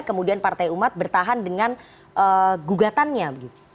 kemudian partai umat bertahan dengan gugatannya